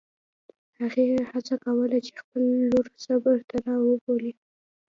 هغې هڅه کوله چې خپله لور صبر ته راوبولي.